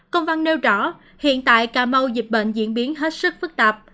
công văn nêu rõ hiện tại cà mau dịch bệnh diễn biến hết sức phức tạp